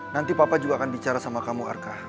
nanti papa juga akan bicara sama kamu arka